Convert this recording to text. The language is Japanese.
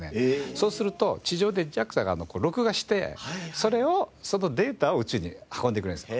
そうすると地上でＪＡＸＡが録画してそれをそのデータを宇宙に運んでくれるんですね。